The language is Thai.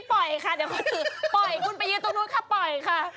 ปล่อยคุณอ้ายยืนตรงนู้นค่ะปล่อยค่ะ